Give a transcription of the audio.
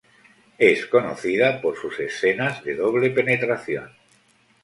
Es conocida por sus escenas de doble penetración.